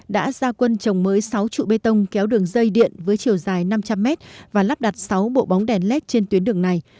đã ra quân trồng mới sáu trụ bê tông kéo đường dây điện với chiều dài năm trăm linh m và lắp đặt sáu bộ bóng đèn led trên tuyến đường này